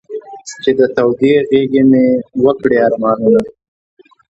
چې د تودې غېږې مې و کړې ارمانونه.